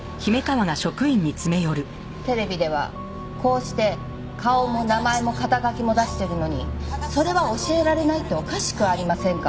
テレビではこうして顔も名前も肩書きも出してるのにそれは教えられないっておかしくありませんか？